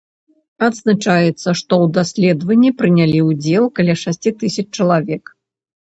Адзначаецца, што ў даследаванні прынялі ўдзел каля шасці тысяч чалавек.